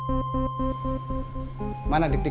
ingat kita jalan